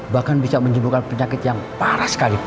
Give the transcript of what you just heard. bahkan bisa menimbulkan penyakit yang parah sekalipun